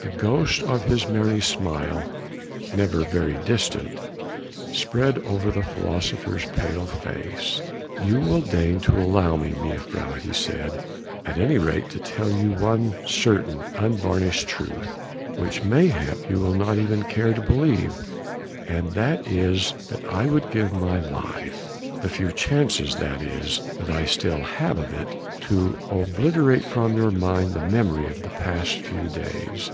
The ghost of his merry smile never very distant spread over the philosopher's pale face. "Will you deign to allow me, mejuffrouw," he said, "at any rate to tell you one certain, unvarnished truth, which mayhap you will not even care to believe, and that is that I would give my life the few chances, that is, that I still have of it to obliterate from your mind the memory of the past few days."